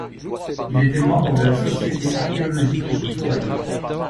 Il était membre de la Société archéologique de Touraine.